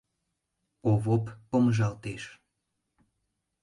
Овоп помыжалтеш.